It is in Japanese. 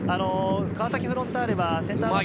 川崎フロンターレは。